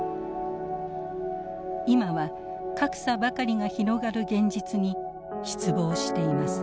今は格差ばかりが広がる現実に失望しています。